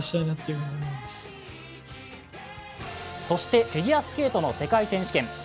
そしてフィギュアスケートの世界選手権。